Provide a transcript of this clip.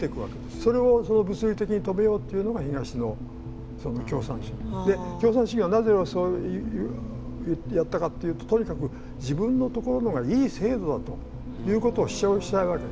それをその物理的に止めようっていうのが東の共産主義。で共産主義はなぜそういうやったかっていうととにかく自分のところのがいい制度だということを主張したいわけ。